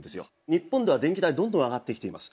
日本では電気代どんどん上がってきています。